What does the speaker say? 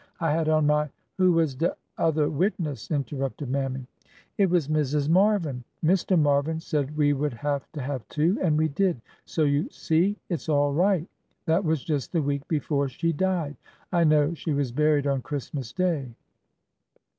I had on my —" Who was de other witness ?" interrupted Mammy. '' It was Mrs. Marvin. Mr. Marvin said we would have to have two— and we did. So you see it 's all right. That was just the week before she died. I know she was buried on Christmas day."